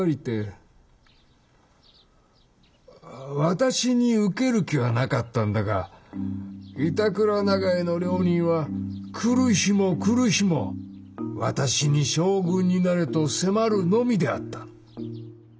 私に受ける気はなかったんだが板倉永井の両人は来る日も来る日も私に将軍になれと迫るのみであった。